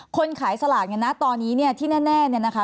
คนขายสลากเนี่ยนะตอนนี้เนี่ยที่แน่เนี่ยนะคะ